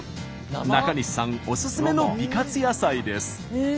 中西さんおすすめの美活野菜です。